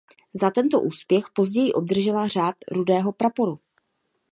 Za tento úspěch později obdržela Řád rudého praporu.